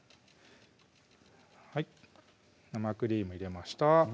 生クリーム入れました